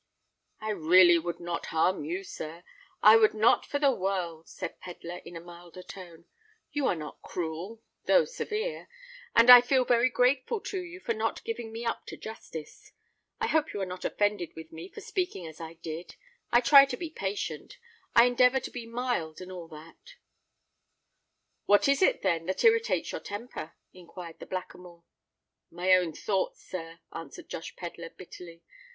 "I really would not harm you, sir—I would not for the world," said Pedler, in a milder tone. "You are not cruel—though severe; and I feel very grateful to you for not giving me up to justice. I hope you are not offended with me for speaking as I did: I try to be patient—I endeavour to be mild and all that——" "What is it, then, that irritates your temper?" enquired the Blackamoor. "My own thoughts, sir," answered Josh Pedler, bitterly.